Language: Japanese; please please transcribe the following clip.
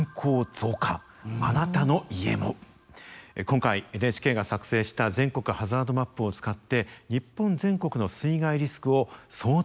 今回ＮＨＫが作成した全国ハザードマップを使って日本全国の水害リスクを総点検いたしました。